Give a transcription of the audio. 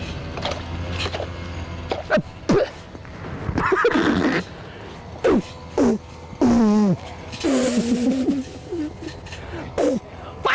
itulah ini udah matang